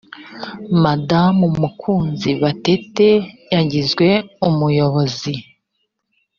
madamu mukunzi batete yagizwe umuyobozi.